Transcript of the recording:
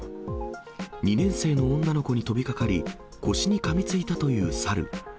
２年生の女の子に飛びかかり、腰にかみついたというサル。